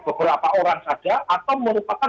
beberapa orang saja atau merupakan